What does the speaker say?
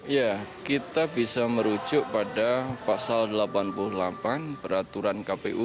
ya kita bisa merujuk pada pasal delapan puluh delapan peraturan kpu